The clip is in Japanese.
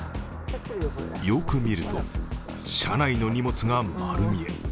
よく見ると、車内の荷物が丸見え。